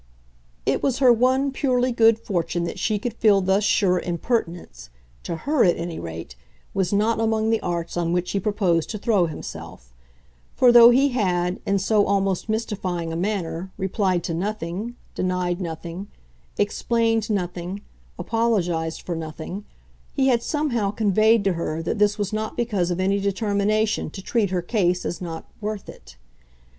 It was her one purely good fortune that she could feel thus sure impertinence to HER at any rate was not among the arts on which he proposed to throw himself; for though he had, in so almost mystifying a manner, replied to nothing, denied nothing, explained nothing, apologised for nothing, he had somehow conveyed to her that this was not because of any determination to treat her case as not "worth" it.